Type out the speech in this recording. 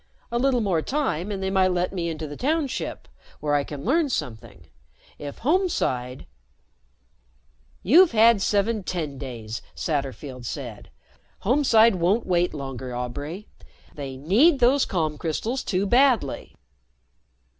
A little more time and they might let me into the Township, where I can learn something. If Homeside " "You've had seven Tendays," Satterfield said. "Homeside won't wait longer, Aubray. They need those calm crystals too badly."